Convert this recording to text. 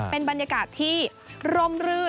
เป็นบรรยากาศที่ร่มรื่น